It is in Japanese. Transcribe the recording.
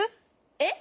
えっ？